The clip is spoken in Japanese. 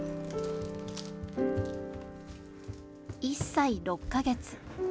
１歳６か月。